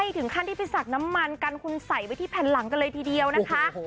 ถึงขั้นที่ไปสักน้ำมันกันคุณใส่ไว้ที่แผ่นหลังกันเลยทีเดียวนะคะ